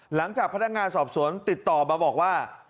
หลังจากพนักงานสอบสวนติดต่อมาบอกว่า